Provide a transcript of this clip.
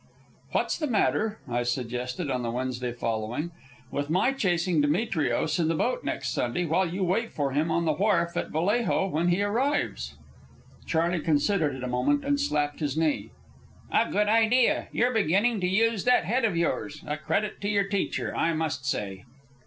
"What's the matter," I suggested, on the Wednesday following, "with my chasing Demetrios in the boat next Sunday, while you wait for him on the wharf at Vallejo when he arrives?" Charley considered it a moment and slapped his knee. "A good idea! You're beginning to use that head of yours. A credit to your teacher, I must say."